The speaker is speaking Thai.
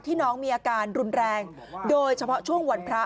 น้องมีอาการรุนแรงโดยเฉพาะช่วงวันพระ